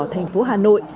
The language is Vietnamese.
thành phố hà nội